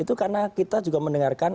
itu karena kita juga mendengarkan